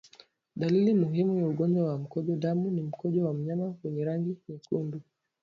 Dalili muhimu ya ugonjwa wa mkojo damu ni mkojo wa mnyama wenye rangi nyekundu